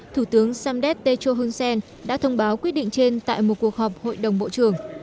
thủ tướng samdek techo hun sen đã thông báo quyết định trên tại một cuộc họp hội đồng bộ trưởng